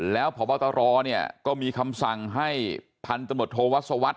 แล้วพบตรเนี่ยก็มีคำสั่งให้พันธมตโทวัศวรรษ